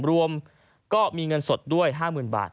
รวมก็มีเงินสดด้วย๕๐๐๐บาท